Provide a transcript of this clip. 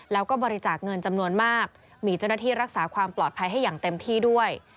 แล้วก็บริจาคเงินจำนวนมากมีเจ้าหน้าที่รักษาความปลอดภัยให้อย่างเต็มที่ด้วย